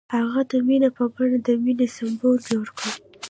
هغه د مینه په بڼه د مینې سمبول جوړ کړ.